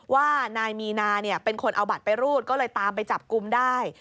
ว่านายมีนาเป็นคนเอาบัตรไปรูดก็เลยตามไปจับกลุ่มได้